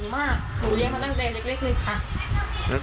ไม่ชินไม่ชิน